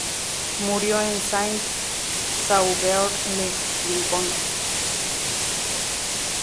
Murió en Saint-Sauveur-le-Vicomte.